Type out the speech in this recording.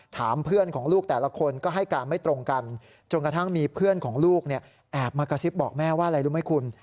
ถามเพื่อนของลูกแต่ละคนก็ให้การไม่ตรงกันจนกระทั่งมีเพื่อนของลูกเนี่ยแอบมากระซิบบอกแม่ว่าอะไรรู้ไหมคุณ